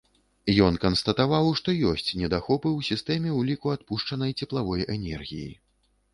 Ён канстатаваў, што ёсць недахопы ў сістэме ўліку адпушчанай цеплавой энергіі.